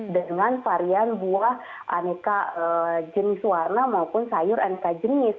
dengan varian buah aneka jenis warna maupun sayur aneka jenis